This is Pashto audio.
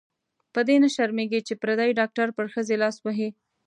په دې نه شرمېږې چې پردې ډاکټر پر ښځې لاس وهي.